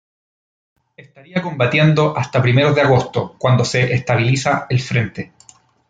Estaría combatiendo hasta primeros de agosto, cuando se estabiliza el frente.